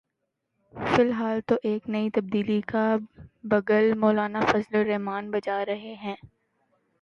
فی الحال تو ایک نئی تبدیلی کا بگل مولانا فضل الرحمان بجا رہے ہیں۔